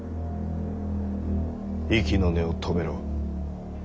息の根を止めろ。